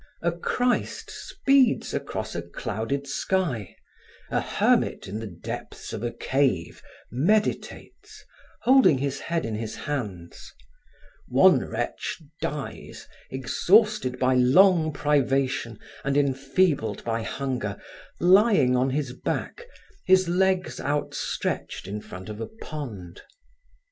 A Christ speeds across a clouded sky; a hermit in the depths of a cave meditates, holding his head in his hands; one wretch dies, exhausted by long privation and enfeebled by hunger, lying on his back, his legs outstretched in front of a pond.